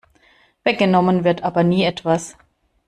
Weggenommen wird aber nie etwas.